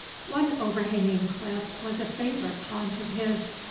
One overhanging cliff was a favorite haunt of his.